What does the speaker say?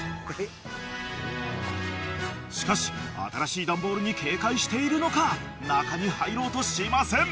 しかし新しいダンボールに警戒しているのか中に入ろうとしません。